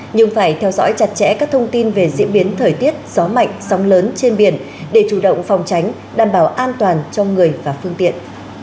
nhưng phải theo dõi chặt chẽ các thông tin về diễn biến thời tiết gió mạnh sóng lớn trên biển để chủ động phòng tránh đảm bảo an toàn cho người và phương tiện